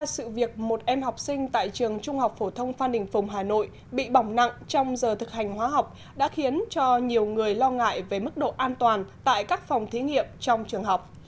sự việc một em học sinh tại trường trung học phổ thông phan đình phùng hà nội bị bỏng nặng trong giờ thực hành hóa học đã khiến cho nhiều người lo ngại về mức độ an toàn tại các phòng thí nghiệm trong trường học